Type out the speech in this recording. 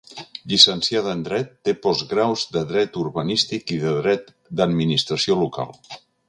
Llicenciada en Dret, té postgraus de Dret Urbanístic i de Dret d'Administració Local.